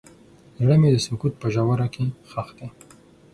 زړه مې د سکوت په ژوره کې ښخ دی.